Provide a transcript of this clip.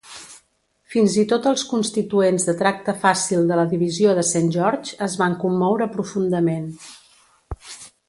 Fins i tot els constituents de tracte fàcil de la divisió de Saint George es van commoure profundament.